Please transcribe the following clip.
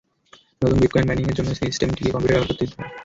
নতুন বিটকয়েন মাইনিংয়ের জন্য সিস্টেমটিকে কম্পিউটার ব্যবহার করতে দিতে হয়।